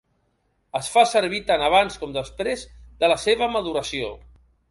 Es fa servir tant abans com després de la seva maduració.